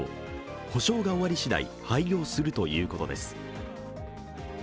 補償が終わりしだい、廃業するということです。